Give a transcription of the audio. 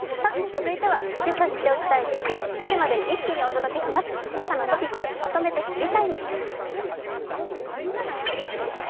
続いてはけさ知っておきたいニュースを７時までに一気にお伝えします、今朝のニュースまとめて「知りＴＩＭＥ，」。